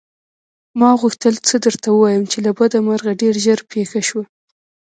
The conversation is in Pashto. ما غوښتل څه درته ووايم چې له بده مرغه ډېر ژر پېښه شوه.